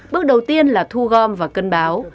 bước đầu tiên là thu gom và cân báo